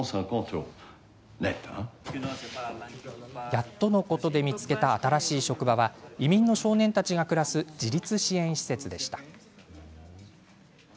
やっとのことで見つけた新しい職場は移民の少年たちが暮らす自立支援施設でした。